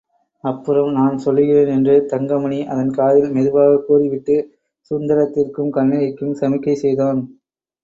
அப்புறம் நான் சொல்லுகிறேன் என்று தங்கமணி அதன் காதில் மெதுவாகக் கூறிவிட்டுச் சுந்தரத்திற்கும் கண்ணகிக்கும் சமிக்கை செய்தான்.